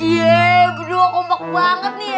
yee kedua kompak banget nih